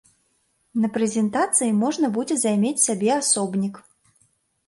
На прэзентацыі можна будзе займець сабе асобнік.